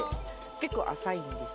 結構浅いんです。